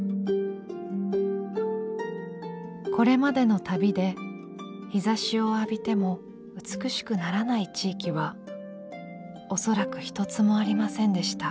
「これまでの旅で日差しを浴びても美しくならない地域はおそらく一つもありませんでした」。